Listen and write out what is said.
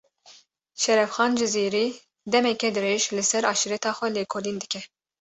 Şerefxan Cizîrî, demeke dirêj, li ser eşîreta xwe lêkolîn dike